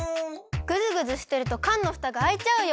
ぐずぐずしてると缶のふたがあいちゃうよ！